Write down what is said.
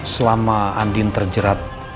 selama andi terjerat